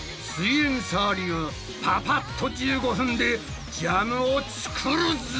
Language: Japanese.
イエんサー流パパっと１５分でジャムを作るぞ！